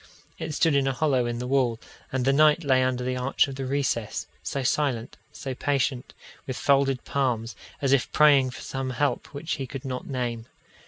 It stood in a hollow in the wall, and the knight lay under the arch of the recess, so silent, so patient, with folded palms, as if praying for some help which he could not name.